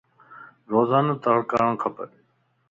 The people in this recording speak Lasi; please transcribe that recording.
روزانو تڙ ڪرڻ کپ